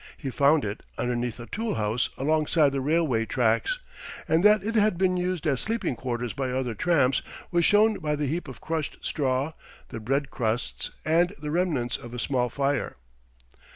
He found it underneath a tool house alongside the railway tracks, and that it had been used as sleeping quarters by other tramps was shown by the heap of crushed straw, the bread crusts, and the remnants of a small fire.